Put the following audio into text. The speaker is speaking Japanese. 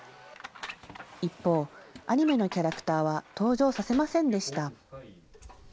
一方、アニメのキャラクターは登場させませんでした。